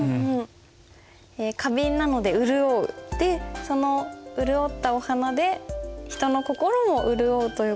花瓶なので「潤う」でその潤ったお花で人の心も潤うという事でこうしました。